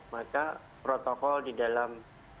maka protokol di dalam